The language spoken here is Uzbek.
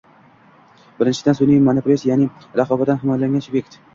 Birinchidan, sunʼiy monopolist, yaʼni raqobatdan himoyalangan subyekt